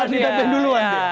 harus kita ban duluan